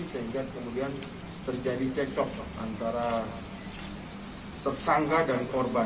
sehingga kemudian terjadi cekcok antara tersangka dan korban